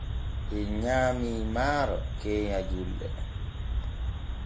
En nyaamii maaro keenya julɗe.